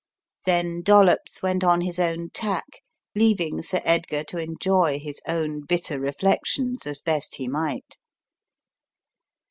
Then Dollops went on his own tack, leaving Sir Edgar to enjoy his own bitter reflections as best he might.